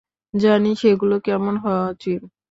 জানি সেগুলো কেমন হওয়া উচিত।